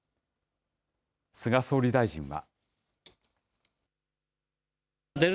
菅総理大臣は。